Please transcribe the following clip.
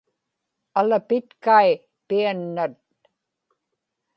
alapitkai piannat